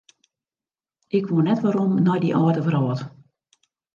Ik woe net werom nei dy âlde wrâld.